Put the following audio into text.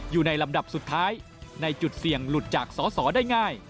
อยู่ในลำดับสุดท้ายในจุดเสี่ยงหลุดจากสอสอได้ง่าย